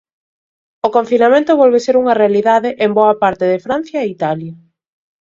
O confinamento volve ser unha realidade en boa parte de Francia e Italia.